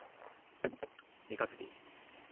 三日月。